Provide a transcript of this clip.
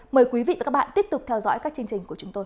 mời quý vị và các bạn tiếp tục theo dõi các chương trình của chúng tôi